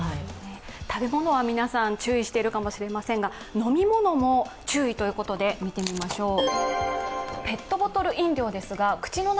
食べ物は皆さん、注意しているかもしれませんが飲み物も注意ということで見てみましょう。